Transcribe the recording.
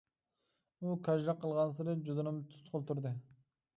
ئۇ كاجلىق قىلغانسېرى جۇدۇنۇم تۇتقىلى تۇردى.